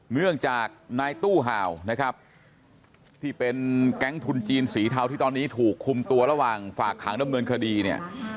เนื่องจากนายตู้ห่าวนะครับที่เป็นแก๊งทุนจีนสีเทาที่ตอนนี้ถูกคุมตัวระหว่างฝากขังดำเนินคดีเนี่ย